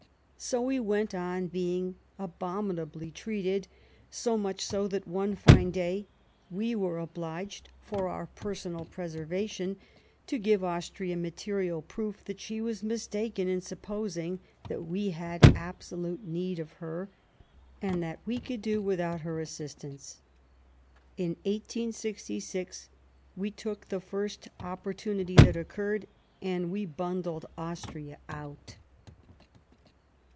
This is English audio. ... So we went on being abominably treated, so much so that one fine day we were obliged, for our personal preservation, to give Austria material proof that she was mistaken in supposing that we had absolute need of her, and that we could do without her assistance. In 1866 we took the first opportunity that occurred and we bundled Austria out."